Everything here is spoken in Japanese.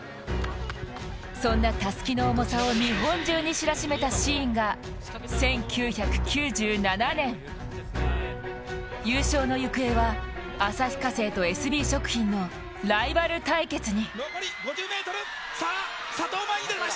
そんなたすきの重さを日本中に知らしめたシーンが１９９７年、優勝の行方は旭化成とエスビー食品のライバル対決に。